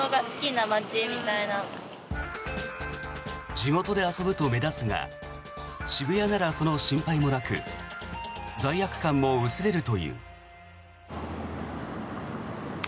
地元で遊ぶと目立つが渋谷ならその心配もなく罪悪感も薄れるという。